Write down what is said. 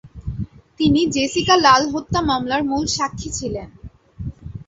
তিনি জেসিকা লাল হত্যা মামলার মূল সাক্ষী ছিলেন।